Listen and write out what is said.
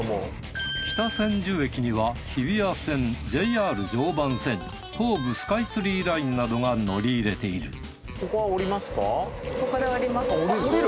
北千住駅には日比谷線ＪＲ常磐線東武スカイツリーラインなどが乗り入れている降りる？